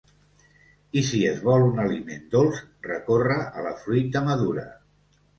I si es vol un aliment dolç, recórrer a la fruita madura.